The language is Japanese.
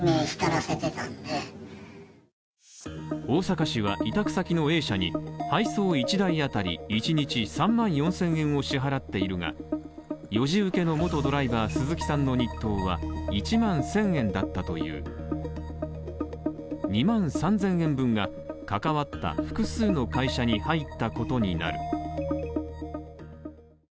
大阪市は委託先のＡ社に配送１台当たり１日３万４０００円を支払っているが、４次請けの元ドライバー鈴木さんの日当は１万１０００円だったという２万３０００円分が関わった複数の会社に入ったことになる。